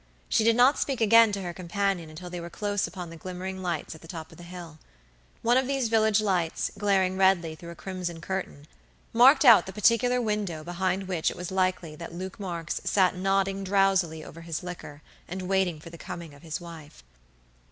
She did not speak again to her companion until they were close upon the glimmering lights at the top of the hill. One of these village lights, glaring redly through a crimson curtain, marked out the particular window behind which it was likely that Luke Marks sat nodding drowsily over his liquor, and waiting for the coming of his wife.